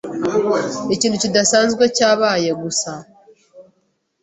Ikintu kidasanzwe cyabaye gusa.